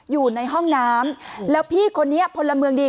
อยู่ในห้องน้ำแล้วพี่คนนี้พลเมืองดี